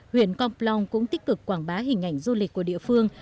huyện con plong cũng tích cực quảng bá hình ảnh du lịch của địa phương